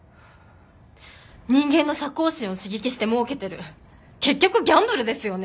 人間の射幸心を刺激してもうけてる結局ギャンブルですよね！？